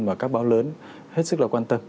mà các báo lớn hết sức quan tâm